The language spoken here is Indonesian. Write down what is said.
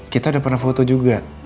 kita udah pernah foto juga